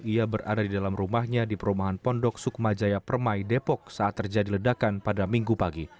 ia berada di dalam rumahnya di perumahan pondok sukma jaya permai depok saat terjadi ledakan pada minggu pagi